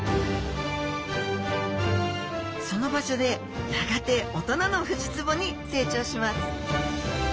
その場所でやがて大人のフジツボに成長します